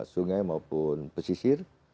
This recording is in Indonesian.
sungai maupun pesisir